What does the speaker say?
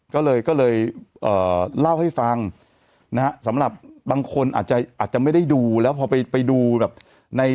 ก็เลยล่าวให้ฟังสำหรับบางคนอาจจะว่าไปดูข้อมูลแบบนี้